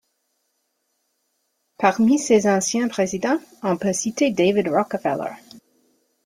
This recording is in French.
Parmi ses anciens présidents, on peut citer David Rockefeller.